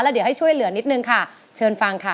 เดี๋ยวให้ช่วยเหลือนิดนึงค่ะเชิญฟังค่ะ